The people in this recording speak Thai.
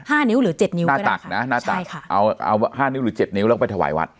นิ้วหรือเจ็ดนิ้วหน้าตักนะหน้าตักใช่ค่ะเอาเอาห้านิ้วหรือเจ็ดนิ้วแล้วก็ไปถวายวัด